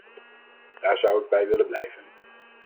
Daar zou ik bij willen blijven.